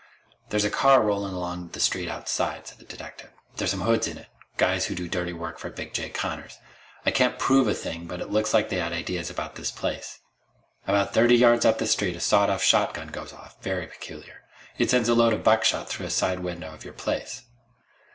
"There's a car rolling along the street outside," said the detective. "There's some hoods in it guys who do dirty work for Big Jake Connors. I can't prove a thing, but it looks like they had ideas about this place. About thirty yards up the street a sawed off shotgun goes off. Very peculiar. It sends a load of buckshot through a side window of your place."